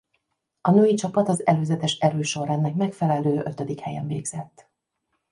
A női csapat az előzetes erősorrendnek megfelelő ötödik helyen végzett.